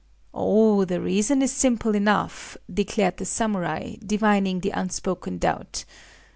"Oh, the reason is simple enough," declared the samurai, divining the unspoken doubt.